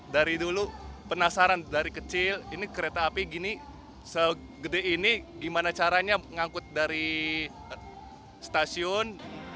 dari dulu penasaran dari kecil ini kereta api gini segede ini gimana caranya ngangkut dari stasiun